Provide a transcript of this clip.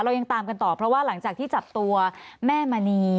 ยังตามกันต่อเพราะว่าหลังจากที่จับตัวแม่มณี